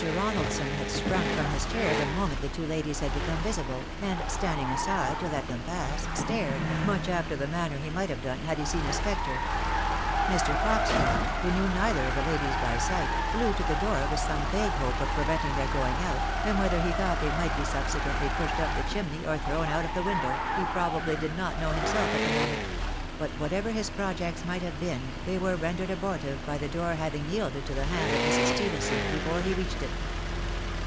Ronaldson had sprung from his chair the moment the two ladies had become visible, and standing aside to let them pass, stared, much after the manner he might have done had he seen a spectre. Mr. Foxcroft, who knew neither of the ladies by sight, flew to the door with some vague hope of preventing their going out, and whether he thought they might be sub sequently pushed up the chimney, or thrown out of the window, he probably did not know himself at the moment ; but whatever his projects might have been, they were rendered abortive by the^oor having yielded to the hand of Mrs. Stephenson before he reached it.